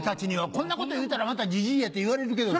こんなこと言うたらまたジジイやって言われるけどさ。